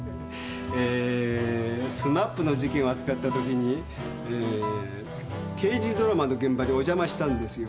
えーＳＭＡＰの事件を扱ったときにえー刑事ドラマの現場にお邪魔したんですよ。